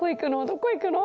どこ行くの？